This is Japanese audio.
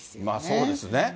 そうですね。